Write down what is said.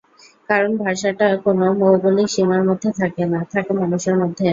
কারণ ভাষাটা কোনো ভৌগোলিক সীমার মধ্যে থাকে না, থাকে মানুষের মধ্যে।